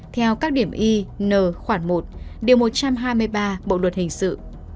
theo các điểm y n khoảng một điều một trăm hai mươi ba bộ luật hình sự